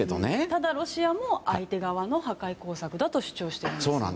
ただ、ロシアも相手側の破壊工作だと主張しているんですよね。